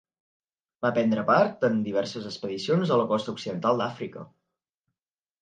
Va prendre part en diverses expedicions a la costa occidental d'Àfrica.